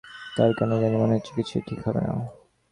তাঁর কেন জানি মনে হচ্ছে, কিছুই ঠিক হবে না।